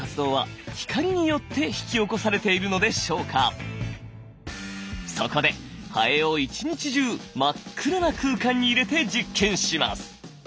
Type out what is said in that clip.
ということはそこでハエを１日中真っ暗な空間に入れて実験します。